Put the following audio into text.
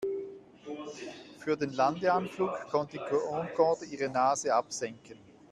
Für den Landeanflug konnte die Concorde ihre Nase absenken.